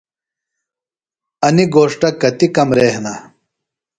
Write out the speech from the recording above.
انیۡ گھوݜٹہ کتیۡ کمرے ہِنہ؟